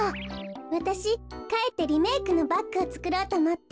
わたしかえってリメークのバッグをつくろうとおもって。